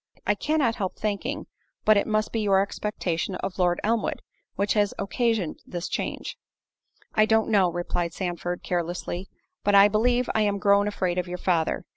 I cannot help thinking but it must be your expectation of Lord Elmwood, which has occasioned this change." "I don't know," replied Sandford, carelessly, "but I believe I am grown afraid of your father.